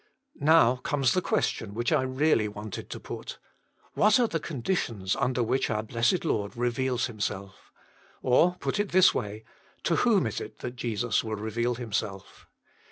" Now comes the question which I % really wanted to put, — What are the conditions under which our blessed Lord reveals Himself ? Or, put it this way, — To whom is it that Jesus will reveal Himself